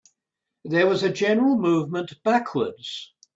There was a general movement backwards.